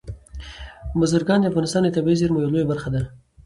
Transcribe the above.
بزګان د افغانستان د طبیعي زیرمو یوه لویه برخه ده.